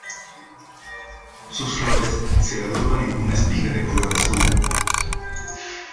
Sus flores se agrupan en una espiga de color azul.